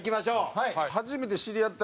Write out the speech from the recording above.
はい。